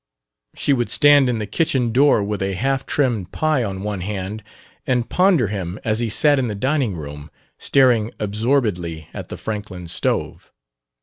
She would stand in the kitchen door with a half trimmed pie on one hand and ponder him as he sat in the dining room, staring absorbedly at the Franklin stove.